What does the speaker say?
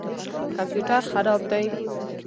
کمپیوټر خراب دی